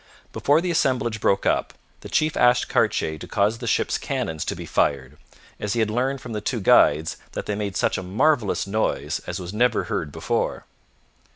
Before the assemblage broke up, the chief asked Cartier to cause the ships' cannons to be fired, as he had learned from the two guides that they made such a marvellous noise as was never heard before.